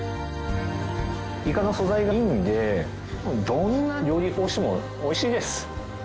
イカの素材がいいのでどんな料理法してもおいしいです。